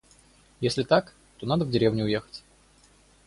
Если так, то надо в деревню уехать.